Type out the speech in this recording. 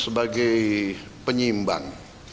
dan sebagai penyimbang